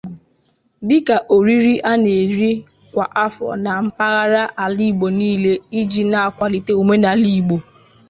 Dịka oriri ana eri kwa afọ na mpaghara ala Igbo niile iji n'akwalite omenaala Igbo